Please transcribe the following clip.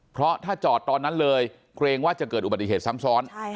เพราะถ้าจอดตอนนั้นเลยเกรงว่าจะเกิดอุบัติเหตุซ้ำซ้อน